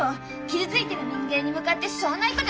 傷ついてる人間に向かってそんな言い方！